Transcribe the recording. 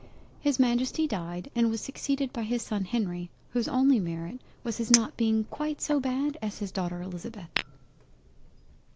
His Majesty died and was succeeded by his son Henry whose only merit was his not being quite so bad as his daughter Elizabeth.